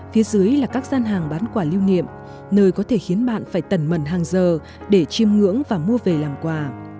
phía dưới là các gian hàng bán quả lưu niệm nơi có thể khiến bạn phải tẩn mẩn hàng giờ để chiêm ngưỡng và mua về làm quà